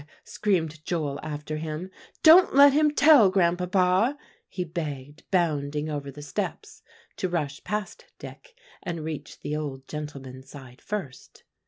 screamed Joel after him, "don't let him tell, Grandpapa," he begged, bounding over the steps to rush past Dick and reach the old gentleman's side first.